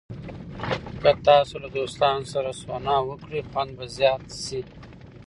که تاسو له دوستانو سره سونا وکړئ، خوند به زیات شي.